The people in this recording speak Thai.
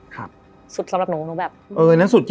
ค่ะสุดสำหรับหนู